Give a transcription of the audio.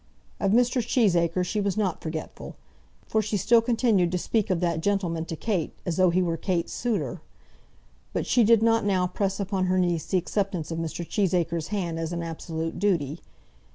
Of Mr. Cheesacre she was not forgetful, for she still continued to speak of that gentleman to Kate, as though he were Kate's suitor. But she did not now press upon her niece the acceptance of Mr. Cheesacre's hand as an absolute duty.